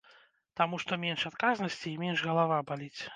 Таму што менш адказнасці і менш галава баліць.